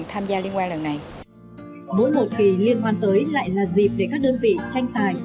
tham gia liên quan lần này mỗi một kỳ liên quan tới lại là dịp để các đơn vị tranh tài